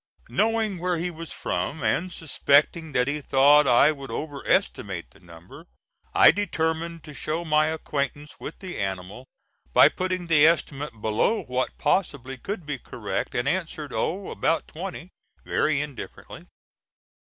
Knowing where he was from, and suspecting that he thought I would over estimate the number, I determined to show my acquaintance with the animal by putting the estimate below what possibly could be correct, and answered: "Oh, about twenty," very indifferently.